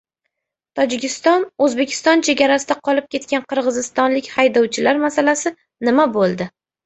Tojikiston — O‘zbekiston chegarasida qolib ketgan qirg‘izistonlik haydovchilar masalasi nima bo‘ldi?